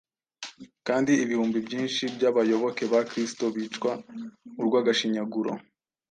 kandi ibihumbi byinshi by’abayoboke ba Kristo bicwa urw’agashinyaguro.